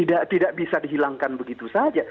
tidak bisa dihilangkan begitu saja